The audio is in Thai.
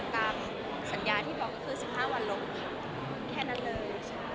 ตามสัญญาที่บอกก็คือ๑๕วันลบค่ะแค่นั้นเลย